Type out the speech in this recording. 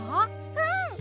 うん！